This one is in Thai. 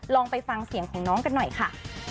ลองไปฟังเสียงของน้องกันหน่อยค่ะ